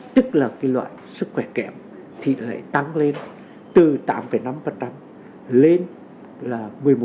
tức là loại sức khỏe kẹm thì lại tăng lên từ tám năm lên là một mươi một